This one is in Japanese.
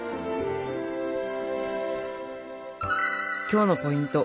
今日のポイント。